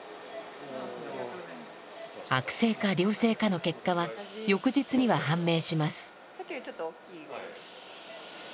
悪性か良性かの結果は翌日には判明します。